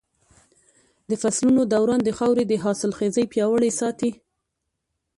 د فصلونو دوران د خاورې حاصلخېزي پياوړې ساتي.